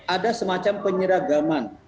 ada semacam penyeragaman